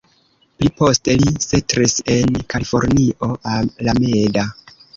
Pli poste li setlis en Kalifornio, Alameda.